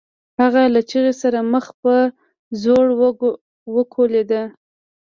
هغه له چيغې سره مخ په ځوړ وکوليد.